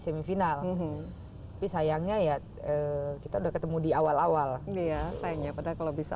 semifinal bisa yangnya ya kita udah ketemu diawal awal dia sayangnya pada kalau bisa